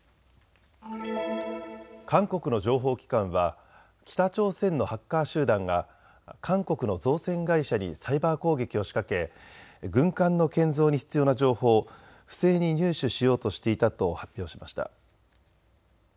韓国の情報機関は北朝鮮のハッカー集団が韓国の造船会社にサイバー攻撃を仕掛け、軍艦の建造に必要な情報を不正に入手しようとしていたと発表しました。